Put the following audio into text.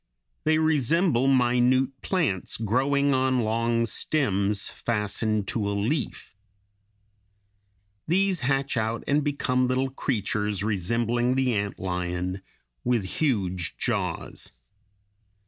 They resemble minute plants growing on long stems, fastened to a leaf. These hatch out and become little creatures resembling the ant lion, with huge jaws.